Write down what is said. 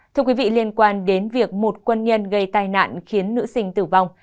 thưa quý vị liên quan đến việc một quân nhân gây tai nạn khiến nữ sinh tử vong